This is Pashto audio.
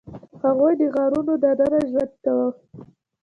هغوی د غارونو دننه ژوند کاوه.